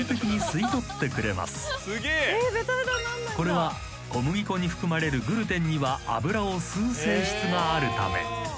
［これは小麦粉に含まれるグルテンには油を吸う性質があるため］